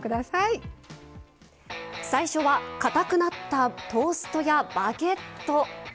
最初はかたくなったトーストやバゲット。